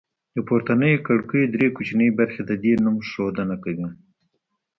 د پورتنیو کړکیو درې کوچنۍ برخې د دې نوم ښودنه کوله